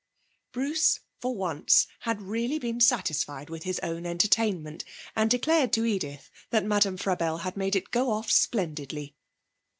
Bruce, for once, had really been satisfied with his own entertainment, and declared to Edith that Madame Frabelle had made it go off splendidly.